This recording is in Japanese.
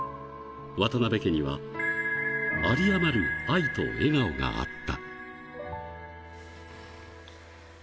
渡辺家には、ありあまる愛と笑顔があった。